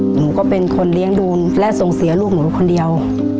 หนูก็เป็นคนเลี้ยงดูและส่งเสียลูกหนูคนเดียว